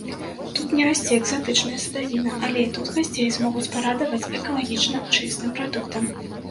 Тут не расце экзатычныя садавіна, але і тут гасцей змогуць парадаваць экалагічна чыстым прадуктам.